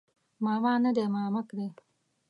ماما نه دی مامک دی